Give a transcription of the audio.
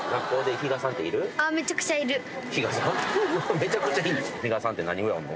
めちゃくちゃいんの？